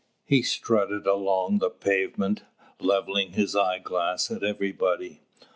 He strutted along the pavement, levelling his eye glass at everybody.